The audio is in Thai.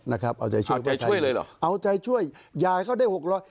นะครับเอาใจช่วยพ่อใจช่วยเลยเหรอเอาใจช่วยยายเขาได้หกร้อย